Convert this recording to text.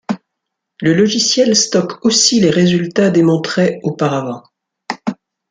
Le logiciel stocke aussi les résultats démontrés auparavant.